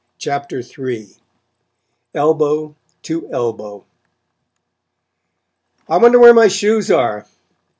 CHAPTER III ELBOW TO ELBOW "I wonder where my shoes are?"